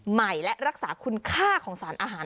ใหม่และรักษาคุณค่าของสารอาหาร